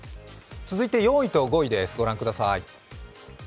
続いて４位と５位です、御覧ください。